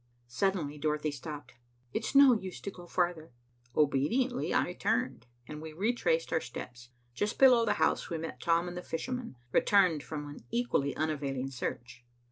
Suddenly, Dorothy stopped. "It's no use to go farther." Obediently I turned, and we retraced our steps. Just below the house, we met Tom and the fisherman, returned from an equally unavailing search.